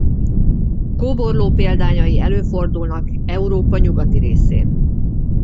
Kóborló példányai előfordulnak Európa nyugati részén.